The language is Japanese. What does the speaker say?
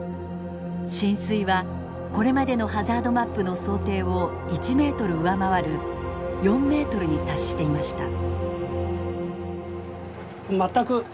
浸水はこれまでのハザードマップの想定を１ｍ上回る４ｍに達していました。